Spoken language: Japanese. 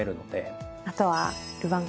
あとは。